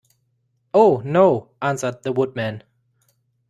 "Oh, no;" answered the Woodman.